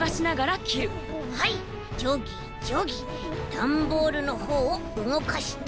ダンボールのほうをうごかして。